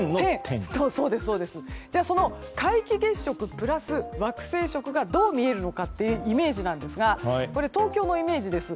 その皆既月食プラス惑星食がどう見えるかというイメージですが東京のイメージです。